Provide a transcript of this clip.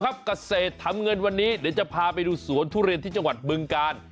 เกษตรทำเงินวันนี้เดี๋ยวจะพาไปดูสวนทุเรียนที่จังหวัดบึงกาล